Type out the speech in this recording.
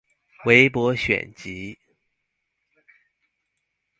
韋伯選集